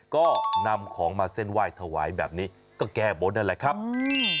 ก็นำของมาเส้นไหว้ถวายแบบนี้ก็แก้บนนั่นแหละครับอืม